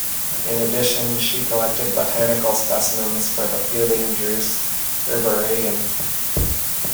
In addition, she collected botanical specimens for the Fielding-Druce Herbarium.